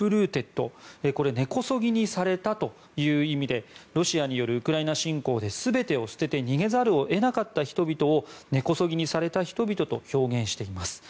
これは根こそぎにされたという意味でロシアによるウクライナ侵攻で全てを捨てて逃げざるを得なかった人々を根こそぎにされた人々と表現しています。